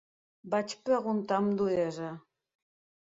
Vaig preguntar amb duresa.